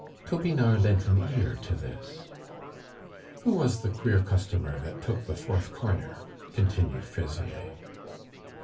Topinard lent an ear to this. "Who was the queer customer that took the fourth corner?" continued Fraisier.